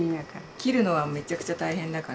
切るのはめちゃくちゃ大変だから。